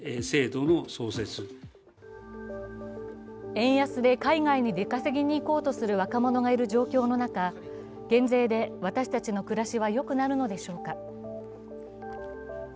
円安で海外に出稼ぎに行こうとする若者がいる状況の中、減税で私たちの暮らしはよくなるのでしょうか？